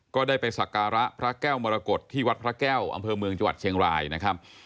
ก็ได้ไปสักการะพระแก้วมรกฏที่วัดพระแก้วอำเภอเมืองจังหวัดเชียงรายนะครับ